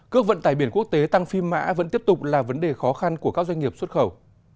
cước vận tải biển quốc tế tăng phi mã vẫn tiếp tục là vấn đề khó khăn của các doanh nghiệp xuất khẩu